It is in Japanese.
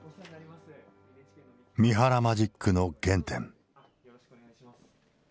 三原マジックの原点。